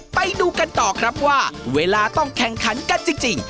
ไปดูกันต่อครับว่าเวลาต้องแข่งขันกันจริง